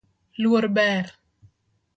Luor ber